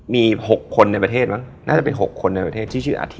มี๖คนในประเทศมั้งน่าจะเป็น๖คนในประเทศที่ชื่ออาทิต